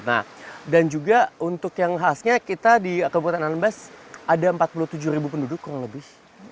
nah dan juga untuk yang khasnya kita di kabupaten anambas ada empat puluh tujuh ribu penduduk kurang lebih